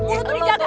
mulu tuh dijaga